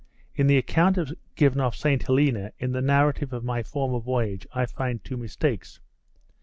[* In the account given of St Helena in the narrative of my former voyage, I find two mistakes.